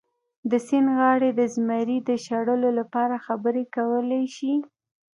د سیند غاړې د زمري د شړلو لپاره خبرې کولی شي.